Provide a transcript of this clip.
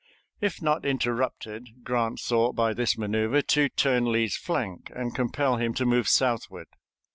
If not interrupted, Grant thought by this maneuvre to turn Lee's flank and compel him to move southward.